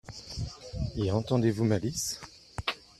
Y entendez-vous malice ?